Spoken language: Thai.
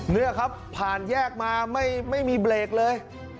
เนื้อครับผ่านแยกมาไม่ไม่มีเบรกเลย